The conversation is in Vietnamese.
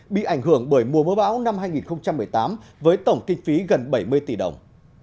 bị ảnh hưởng bởi mùa mưa bão năm hai nghìn một mươi tám với tổng kinh phí gần bảy mươi tỷ đồng